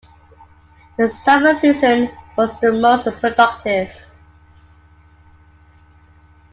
The summer season was the most productive.